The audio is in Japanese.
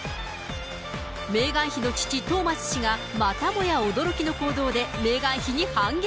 メーガン妃の父、トーマス氏が、またもや驚きの行動で、メーガン妃に反撃。